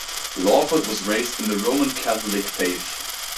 Lawford was raised in the Roman Catholic faith.